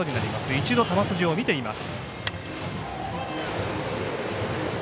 一度、球筋を見ています。